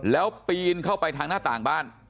แล้วปีนเข้าไปทางหน้าต่างบ้าน